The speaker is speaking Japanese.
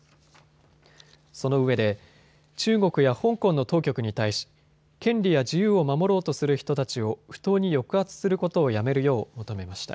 そのうえで中国や香港の当局に対し権利や自由を守ろうとする人たちを不当に抑圧することをやめるよう求めました。